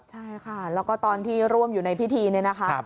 ใช่ค่ะแล้วก็ตอนที่ร่วมอยู่ในพิธีเนี่ยนะคะ